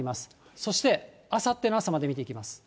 そしてあさっての朝まで見ていきます。